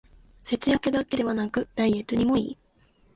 節約だけでなくダイエットにもいい